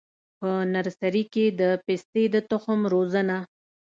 په نرسري کي د پستې د تخم روزنه: